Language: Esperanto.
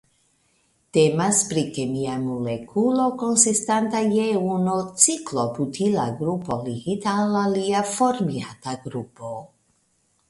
Temas pri kemia molekulo konsistanta je unu ciklobutila grupo ligita al alia formiata grupo.